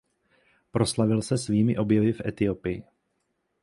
Proslavil se svými objevy v Etiopii.